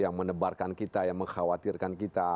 yang menebarkan kita yang mengkhawatirkan kita